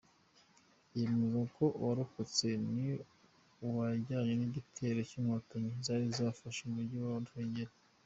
Yemeza ko uwarokotse ni uwajyanye n’igitero cy’inkotanyi zari zafashe umujyi wa Ruhengeri.